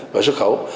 và xuất khẩu